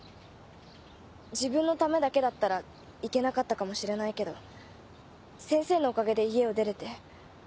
自分のためだけだったら行けなかったかもしれないけど先生のおかげで家を出れて。